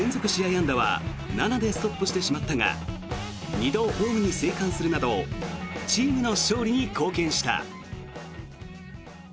安打は７でストップしてしまったが２度、ホームに生還するなどチームの勝利に貢献した。